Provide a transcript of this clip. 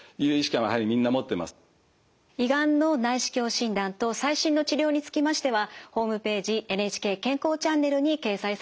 胃がんの内視鏡診断と最新の治療につきましてはホームページ「ＮＨＫ健康チャンネル」に掲載されています。